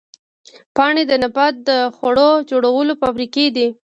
پاڼې د نبات د خوړو جوړولو فابریکې دي